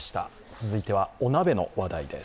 続いてはお鍋の話題です。